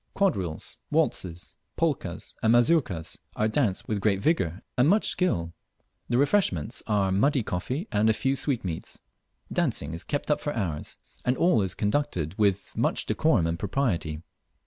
Quadrilles, waltzes, polkas, and mazurkas are danced with great vigour and much skill. The refreshments are muddy coffee and a few sweetmeats. Dancing is kept up for hours, and all is conducted with much decorum and propriety.